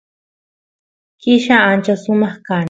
killa ancha sumaq kan